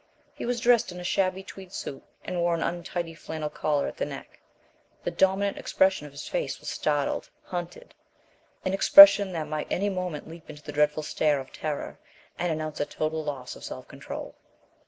He was dressed in a shabby tweed suit, and wore an untidy flannel collar at the neck. The dominant expression of his face was startled hunted; an expression that might any moment leap into the dreadful stare of terror and announce a total loss of self control.